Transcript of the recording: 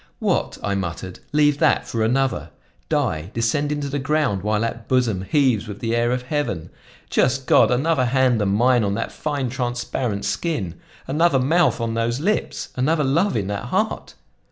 "What!" I muttered, "leave that for another! Die, descend into the ground, while that bosom heaves with the air of heaven? Just God! another hand than mine on that fine, transparent skin! Another mouth on those lips, another love in that heart!